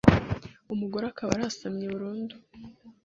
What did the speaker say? umugore akaba arasamye burundu